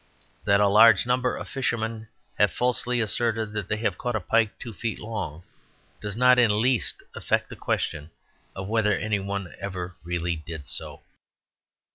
That a large number of fishermen have falsely asserted that they have caught a pike two feet long, does not in the least affect the question of whether any one ever really did so.